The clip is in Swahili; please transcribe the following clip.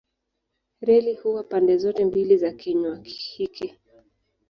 Reli huwa pande zote mbili za kinywa hiki.